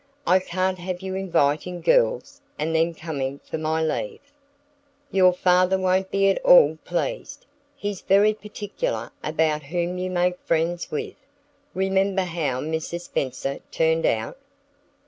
I can't have you inviting girls, and then coming for my leave. Your father won't be at all pleased. He's very particular about whom you make friends with. Remember how Mrs. Spenser turned out."